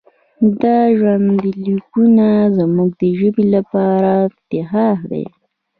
دا ژوندلیکونه زموږ د ژبې لپاره افتخار دی.